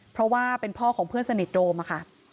เพราะว่าเป็นพ่อของเพื่อนสนิทโดมค่ะ